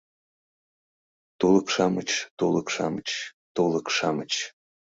Тулык-шамыч, тулык-шамыч, тулык-шамыч!»